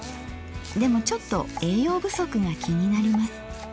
でもちょっと栄養不足が気になります。